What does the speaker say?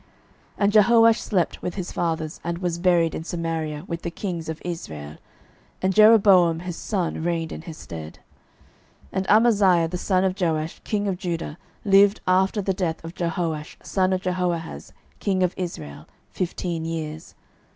12:014:016 And Jehoash slept with his fathers, and was buried in Samaria with the kings of Israel; and Jeroboam his son reigned in his stead. 12:014:017 And Amaziah the son of Joash king of Judah lived after the death of Jehoash son of Jehoahaz king of Israel fifteen years.